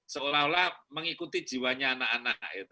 seolah olah mengikuti jiwanya anak anak